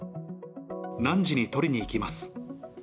何時に取りに行きます。